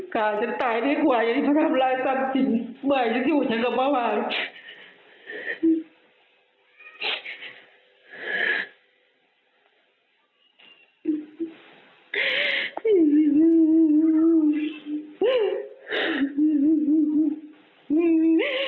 กล่าวจะตายได้กว่าอย่างที่พระธรรมรายสรรค์จริงเมื่อไหร่จะอยู่อย่างกับพระวัง